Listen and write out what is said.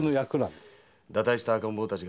「堕胎した赤ん坊たちが並んで」